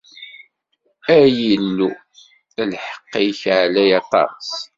Ay Illu, lḥeqq-ik ɛlay aṭas!